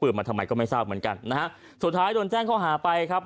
มาทำไมก็ไม่ทราบเหมือนกันนะฮะสุดท้ายโดนแจ้งข้อหาไปครับ